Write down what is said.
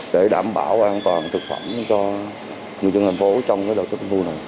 để đảm bảo an toàn thực phẩm cho người dân tp hcm trong đợt tết trung thu này